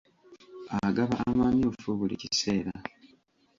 Agaba amamyufu buli kiseera.